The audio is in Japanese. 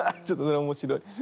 ちょっとそれ面白い。